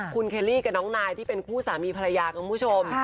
คุณเคลลี่กับน้องนายที่เป็นคู่สามีภรรยาคุณผู้ชม